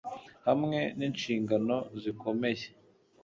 Hamwe ninshingano zikomeye